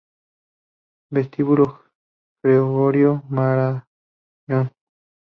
Vestíbulo Gregorio Marañón